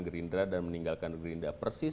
gerindra dan meninggalkan gerindra persis